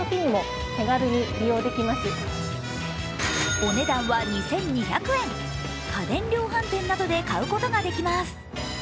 お値段は２２００円、家電量販店などで買うことができます。